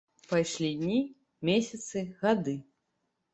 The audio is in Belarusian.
Пайшлі дні, месяцы, гады.